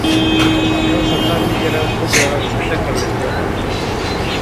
Matarsa ta mike daga kujerarta. Sai ta kalli kofar.